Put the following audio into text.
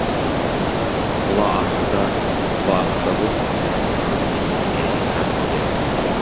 ئۇلار ئاخىرىدا ئۇلار ئاخىرىدا بۇ سىستېمىنىڭ مەۋجۇت ئىكەنلىكىنى ئېتىراپ قىلدى.